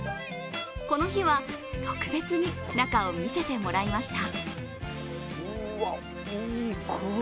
この日は特別に中を見せてもらいました。